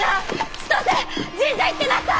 千歳神社行ってなさい！